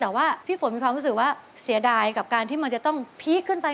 แต่ว่าพี่ฝนมีความรู้สึกว่าเสียดายกับการที่มันจะต้องพีคขึ้นไป